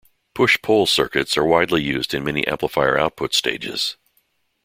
Push-pull circuits are widely used in many amplifier output stages.